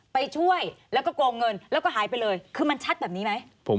ไปช่วยแล้วก็โกงเงินแล้วก็หายไปเลยคือมันชัดแบบนี้ไหม